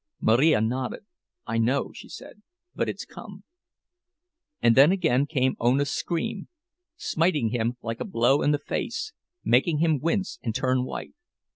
Marija nodded. "I know," she said; "but it's come." And then again came Ona's scream, smiting him like a blow in the face, making him wince and turn white.